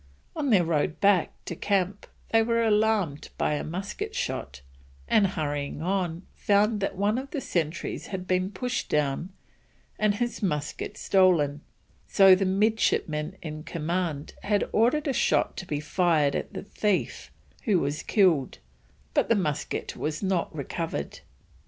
On their road back to camp they were alarmed by a musket shot, and hurrying on, found that one of the sentries had been pushed down and his musket stolen, so the midshipman in command had ordered a shot to be fired at the thief, who was killed, but the musket was not recovered.